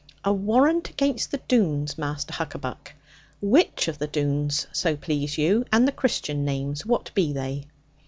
'A warrant against the Doones, Master Huckaback. Which of the Doones, so please you; and the Christian names, what be they?'